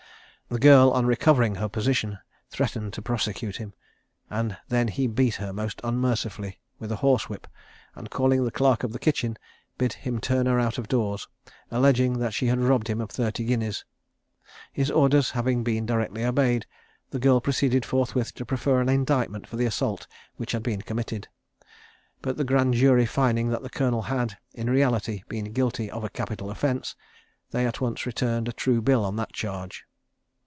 The girl, on recovering her position, threatened to prosecute him, and then he beat her most unmercifully with a horsewhip, and calling the clerk of the kitchen, bid him turn her out of doors, alleging that she had robbed him of thirty guineas. His orders having been directly obeyed, the girl proceeded forthwith to prefer an indictment for the assault which had been committed; but the Grand Jury finding that the colonel had, in reality, been guilty of a capital offence, they at once returned a true bill on that charge.